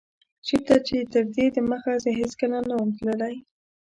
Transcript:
چيرته چي تر دي دمخه زه هيڅکله نه وم تللی